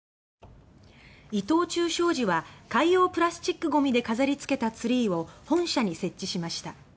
伊藤忠商事は海洋プラスチックごみで飾り付けたツリーを本社に設置しました。